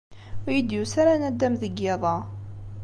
Ur iyi-d-yusi ara naddam deg yiḍ-a.